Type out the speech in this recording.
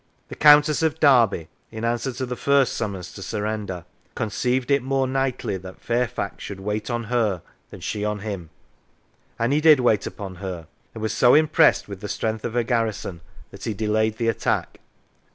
The Countess of Derby, in answer to the first 98 The War of Religion summons to surrender, " conceived it more knightly that Fairfax should wait on her than she on him," and he did wait upon her, and was so impressed with the strength of her garrison that he delayed the attack.